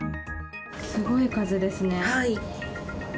すごい数ですね。